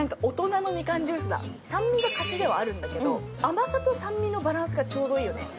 酸味が勝ちではあるんだけど甘さと酸味のバランスがちょうどいいよね。